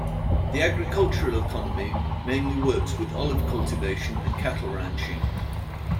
The agricultural economy mainly works with olive cultivation and cattle ranching.